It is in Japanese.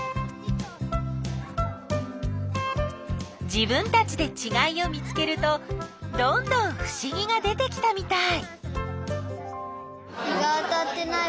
自分たちでちがいを見つけるとどんどんふしぎが出てきたみたい！